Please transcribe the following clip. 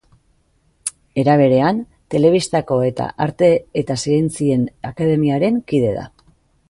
Era berean, Telebistako Arte eta Zientzien Akademiaren kide da.